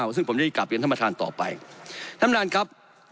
ซึ่งผมจะได้การเปลี่ยนธรรมฐานต่อไปทำนานครับ